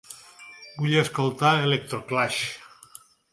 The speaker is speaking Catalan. Vull escoltar electroclash